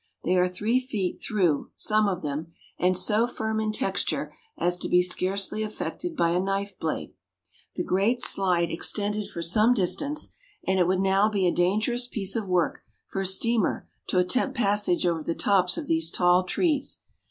They are three feet through, some of them, and so firm in texture as to be scarcely affected by a knife blade. The great slide extended for some distance, and it would now be a dangerous piece of work for a steamer to attempt passage over the tops of these tall trees.